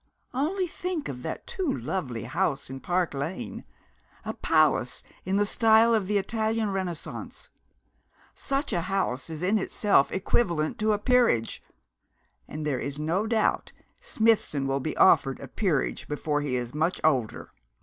Only think of that too lovely house in Park Lane, a palace in the style of the Italian Renaissance such a house is in itself equivalent to a peerage and there is no doubt Smithson will be offered a peerage before he is much older.